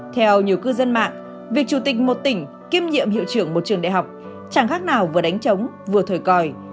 theo nhiều cư dân mạng việc chủ tịch một tỉnh kiêm nhiệm hiệu trưởng một trường đại học chẳng khác nào vừa đánh chống vừa thổi còi